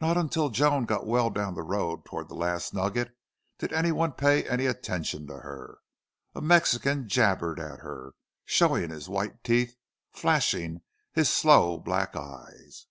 Not until Joan got well down the road toward the Last Nugget did any one pay any attention to her. A Mexican jabbered at her, showing his white teeth, flashing his sloe black eyes.